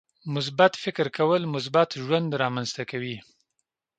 • مثبت فکر کول، مثبت ژوند رامنځته کوي.